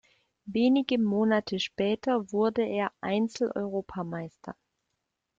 Wenige Monate später wurde er Einzel-Europameister.